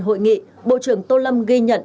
hội nghị bộ trưởng tô lâm ghi nhận